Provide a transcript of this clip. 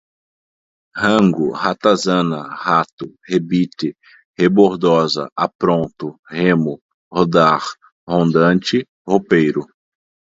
rango, ratazana, rato, rebite, rebordoza, apronto, remo, rodar, rondante, ropeiro